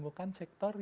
jadi kita bisa mencari